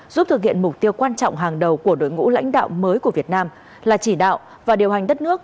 giúp thực hiện mục tiêu quan trọng hàng đầu của đội ngũ lãnh đạo mới của việt nam là chỉ đạo và điều hành đất nước